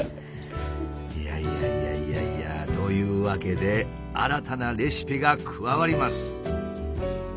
いやいやいやいやというわけで新たなレシピが加わります。